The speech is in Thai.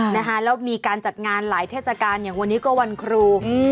นะคะแล้วมีการจัดงานหลายเทศกาลอย่างวันนี้ก็วันครูอืม